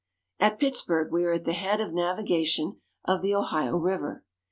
At Pittsburg we are at the head of navigation of the Ohio River.